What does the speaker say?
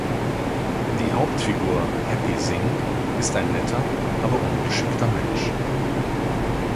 Die Hauptfigur Happy Singh ist ein netter, aber ungeschickter Mensch.